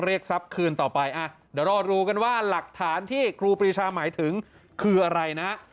ทรัพย์คืนต่อไปอ่ะเดี๋ยวรอดูกันว่าหลักฐานที่ครูปรีชาหมายถึงคืออะไรนะ